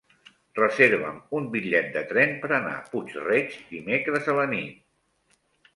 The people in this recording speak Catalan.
Reserva'm un bitllet de tren per anar a Puig-reig dimecres a la nit.